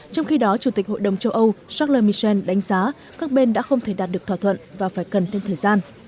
trong khi đó chủ tịch hội đồng châu âu charles michel đánh giá các bên đã không thể đạt được thỏa thuận và phải cần thêm thời gian